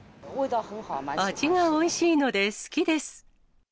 味がおいしいので好きです。